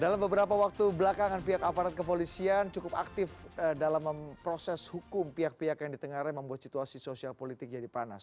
dalam beberapa waktu belakangan pihak aparat kepolisian cukup aktif dalam memproses hukum pihak pihak yang ditengarai membuat situasi sosial politik jadi panas